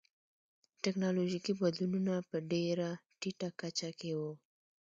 ټکنالوژیکي بدلونونه په ډېره ټیټه کچه کې و